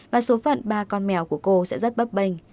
và số phận ba con mèo của cô sẽ rất bấp bênh